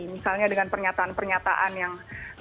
misalnya dengan pernyataan pernyataan yang